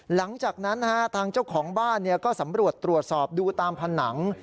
หลังจากนั้นตังเจ้าของบ้าน